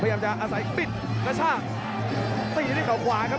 กล้องชิงดาวน์ก็พยายามจะใช้เหยียบมาแล้วครับ